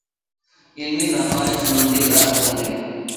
ئىلمىي ماقالە سۇنۇلدى ۋە ئوقۇلدى.